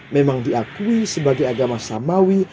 memang diakui sebagai agama samawi